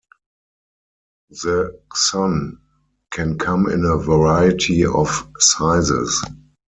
The xun can come in a variety of sizes.